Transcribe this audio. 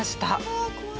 わあ怖い。